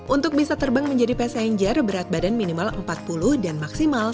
untuk bisa terbang menjadi passenger berat badan minimal empat puluh dan maksimal seratus kg